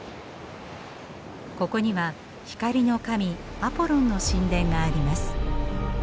ここには光の神アポロンの神殿があります。